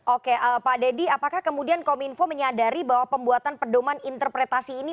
oke pak dedy apakah kemudian kominfo menyadari bahwa pembuatan pedoman interpretasi ini